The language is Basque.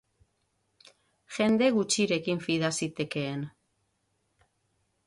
Jende gutxirekin fida zitekeen.